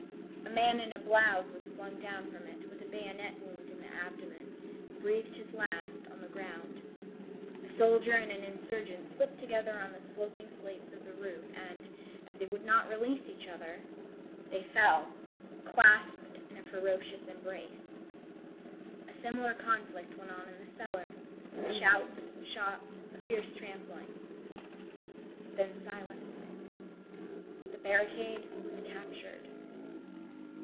A man in a blouse was flung down from it, with a bayonet wound in the abdomen, and breathed his last on the ground. A soldier and an insurgent slipped together on the sloping slates of the roof, and, as they would not release each other, they fell, clasped in a ferocious embrace. A similar conflict went on in the cellar. Shouts, shots, a fierce trampling. Then silence. The barricade was captured.